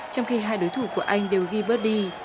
trong khi hai đối thủ của anh đều ghi birdie